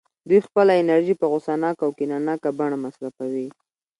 دوی خپله انرژي په غوسه ناکه او کینه ناکه بڼه مصرفوي